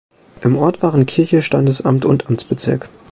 Im Ort waren Kirche, Standesamt und Amtsbezirk.